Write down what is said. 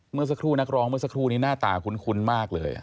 เมื่อสักครู่นักร้องเมื่อสักครู่นี้หน้าตาคุ้นมากเลย